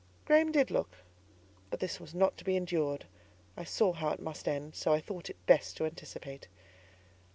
Graham did look: but this was not to be endured; I saw how it must end, so I thought it best to anticipate.